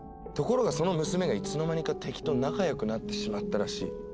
ところがその娘がいつの間にか敵と仲良くなってしまったらしい。